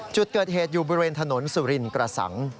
จุดเกิดเหตุอยู่บริเวณถนนสุรินกระสัง